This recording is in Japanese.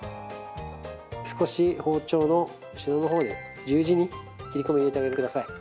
少し包丁の後ろのほうで十字に切り込みを入れてあげてください。